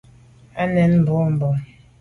À nèn boa bon.